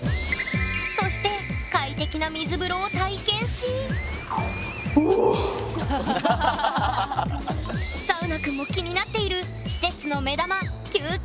そして快適な水風呂を体験しサウナくんも気になっている施設の目玉休憩スペースへ！